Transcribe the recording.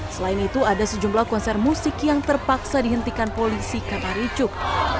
selain itu ada sejumlah konser musik yang terpaksa dihentikan polisi kata ricuk